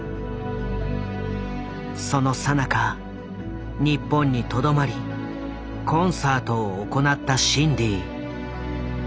そのさなか日本にとどまりコンサートを行ったシンディ。